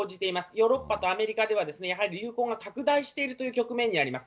ヨーロッパとアメリカではやはり流行が拡大しているという局面にあります。